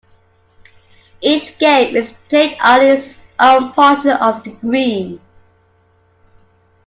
Each game is played on its own portion of the green.